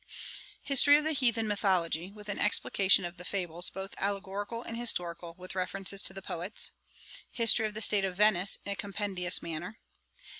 'History of the Heathen Mythology, with an explication of the fables, both allegorical and historical; with references to the poets. 'History of the State of Venice, in a compendious manner.